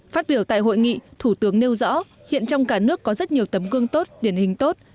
phát biểu tại hội nghị thủ tướng nêu rõ hiện trong cả nước có rất nhiều tấm gương tốt điển hình tốt